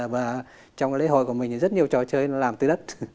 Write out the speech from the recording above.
và trong cái lễ hội của mình thì rất nhiều trò chơi làm từ đất